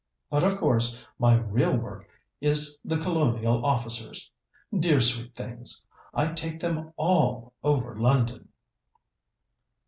But, of course, my real work is the Colonial officers. Dear, sweet things! I take them all over London!"